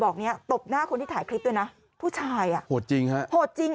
อกเนี้ยตบหน้าคนที่ถ่ายคลิปด้วยนะผู้ชายอ่ะโหดจริงฮะโหดจริง